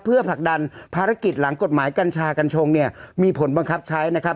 เพื่อผลักดันภารกิจหลังกฎหมายกัญชากัญชงเนี่ยมีผลบังคับใช้นะครับ